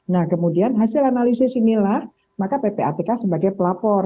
nah kemudian hasil analisis inilah maka ppatk sebagai pelapor